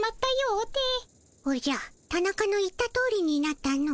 おじゃタナカの言ったとおりになったの。